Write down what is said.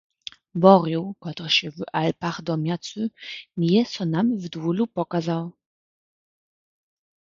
Worjoł, kotryž je w Alpach domjacy, njeje so nam w dowolu pokazał.